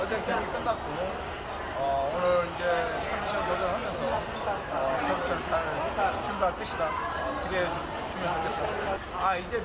kita kembali ke indonesia